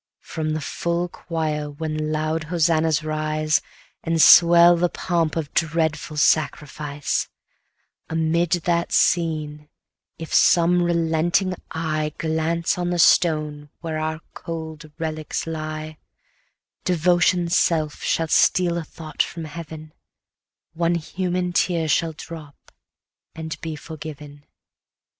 From the full choir when loud hosannas rise, And swell the pomp of dreadful sacrifice, Amid that scene, if some relenting eye Glance on the stone where our cold relics lie, Devotion's self shall steal a thought from heaven, One human tear shall drop, and be forgiven.